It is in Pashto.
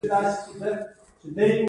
کوڅه ډب کس به یې لومړی په څپېړو واهه